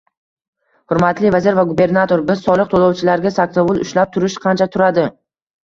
Hurmatli vazir va gubernator, biz soliq to'lovchilarga saksovul ushlab turish qancha turadi?